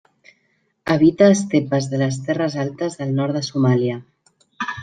Habita estepes de les terres altes del nord de Somàlia.